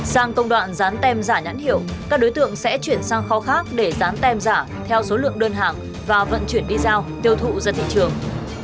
sang công đoạn rán tem giả nhãn hiệu các đối tượng sẽ chuyển sang kho khác để dán tem giả theo số lượng đơn hàng và vận chuyển đi giao tiêu thụ ra thị trường